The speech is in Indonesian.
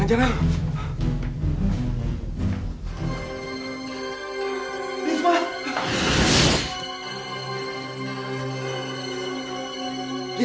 hanya keadaan p affordable care itu itu